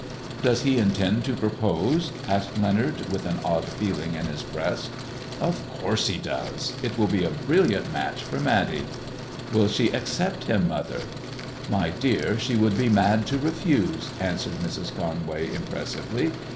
"Does he intend to proposed' asked Leonard, with an odd feeling in his breast. "Of course he does. It will be a brilliant match for Matty." " "Will she accept him, mother ]"" My dear, she would be mad to refuse," answered Mrs. Conway, impressively.